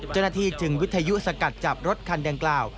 จนนาทีถึงวิทยุสะกัดจับรถคันแดงกล่าว